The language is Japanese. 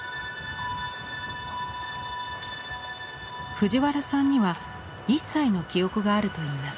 藤原さんには１歳の記憶があるといいます。